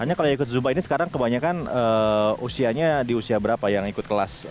makanya kalau ikut zuba ini sekarang kebanyakan usianya di usia berapa yang ikut kelas